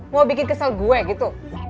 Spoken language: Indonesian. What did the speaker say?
mau bikin kesel gue gitu